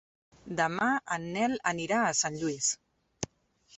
Demà en Nel anirà a Sant Lluís.